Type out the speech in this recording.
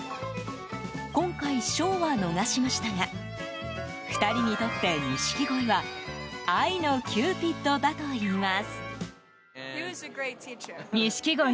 今回、賞は逃しましたが２人にとって錦鯉は愛のキューピッドだといいます。